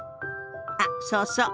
あっそうそう。